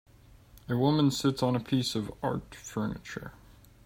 A woman sits on a piece of art furniture.